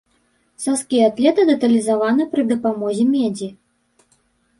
Саскі атлета дэталізаваны пры дапамозе медзі.